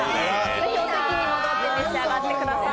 ぜひお席に戻って召し上がってください。